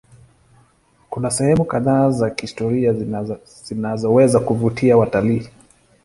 Kuna sehemu kadhaa za kihistoria zinazoweza kuvutia watalii.